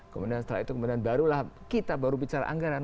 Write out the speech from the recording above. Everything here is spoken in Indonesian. kemudian setelah itu kemudian barulah kita baru bicara anggaran